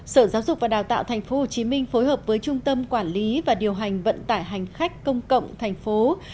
sở giáo dục và đào tạo tp hcm phối hợp với trung tâm quản lý và điều hành vận tải hành khách công cộng thành phố